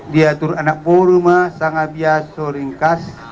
diatur anak buru ma sangat biasa ringkas